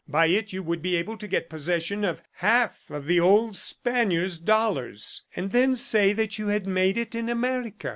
By it, you would be able to get possession of half of the old Spaniard's dollars, and then say that you had made it in America."